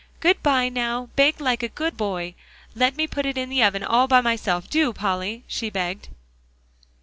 Good by; now bake like a good boy. Let me put it in the oven all by myself, do, Polly," she begged.